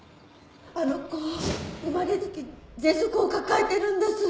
あの子生まれつきぜんそくを抱えてるんです